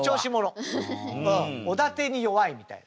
うんおだてに弱いみたいな。